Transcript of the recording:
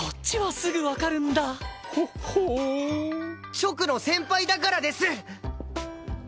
直の先輩だからです！